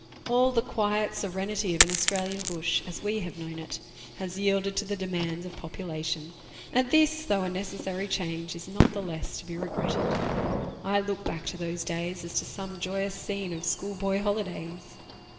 All the quiet serenity of an Australian bush, as we have known it, has yielded to the demands of population ; and this, though a necessary change, is not the less to be regretted. I look back to those days as to some joyous scene of school boy holidays.